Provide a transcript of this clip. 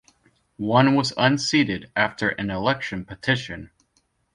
One was unseated after an election petition.